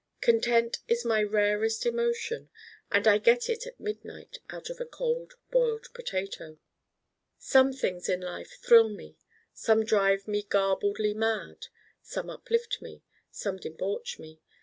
Content is my rarest emotion and I get it at midnight out of a Cold Boiled Potato. Some things in life thrill me. Some drive me garbledly mad. Some uplift me. Some debauch me.